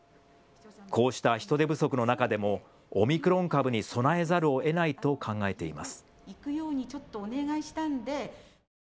こうした人手不足の中でもオミクロン株に備えざるをえないと考えています。